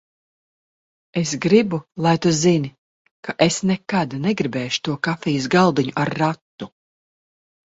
Es gribu, lai tu zini, ka es nekad negribēšu to kafijas galdiņu ar ratu.